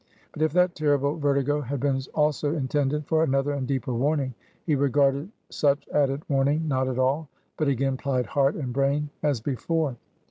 But if that terrible vertigo had been also intended for another and deeper warning, he regarded such added warning not at all; but again plied heart and brain as before.